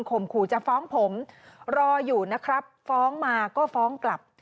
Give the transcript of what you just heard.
ขู่จะฟ้องผมรออยู่นะครับฟ้องมาก็ฟ้องกลับ